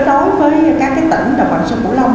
để kết nối với các tỉnh đồng bằng sông cửu long